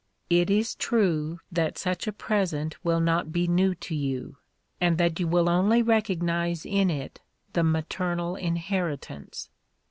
It is true that such a present will not be new to you, and that you will only recognise in it the maternal inheritance.